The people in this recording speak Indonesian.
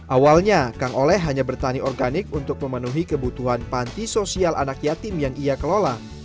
awalnya kang oleh hanya bertani organik untuk memenuhi kebutuhan panti sosial anak yatim yang ia kelola